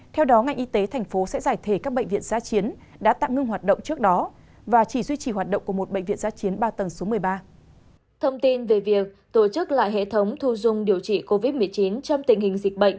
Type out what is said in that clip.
thông tin về việc tổ chức lại hệ thống thu dung điều trị covid một mươi chín trong tình hình dịch bệnh